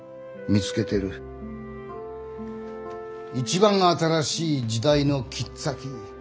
一番新しい時代の切っ先。